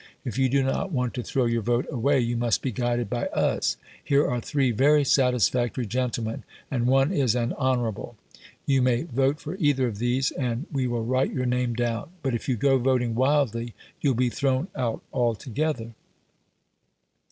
If you do not want to throw your vote away, you must be guided by us: here are three very satisfactory gentlemen (and one is an Honourable): you may vote for either of these, and we will write your name down; but if you go voting wildly, you'll be thrown out altogether."